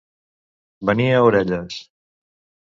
Venir a orelles.